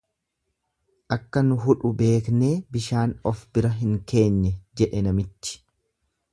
Akka nu hudhu beeknee bishaan of bira hin keenye, jedhe namichi.